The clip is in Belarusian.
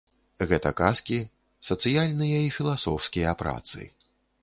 Гэта казкі, сацыяльныя і філасофскія працы.